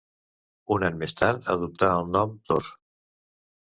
Un any més tard adoptà el nom Tor.